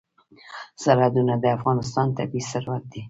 سرحدونه د افغانستان طبعي ثروت دی.